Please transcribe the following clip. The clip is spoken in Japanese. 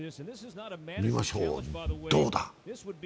見ましょう、どうだ。